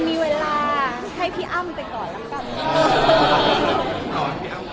มีเวลาให้พี่อ้ำไปก่อนแล้วกัน